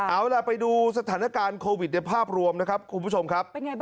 เอาล่ะไปดูสถานการณ์โควิดในภาพรวมนะครับคุณผู้ชมครับ